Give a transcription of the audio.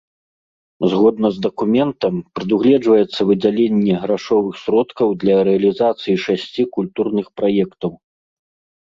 Згодна з дакументам, прадугледжваецца выдзяленне грашовых сродкаў для рэалізацыі шасці культурных праектаў.